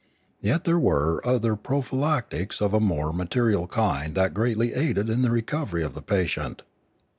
Yet there were other prophylactics of a more material kind that greatly aided in the recovery of the patient.